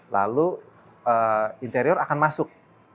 lalu interior akan masuk